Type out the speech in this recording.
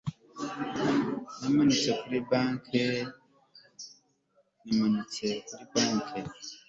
Namanutse kuri banki